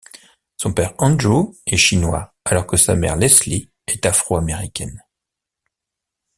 Son père Andrew est chinois alors que sa mère Leslie est afro-américaine.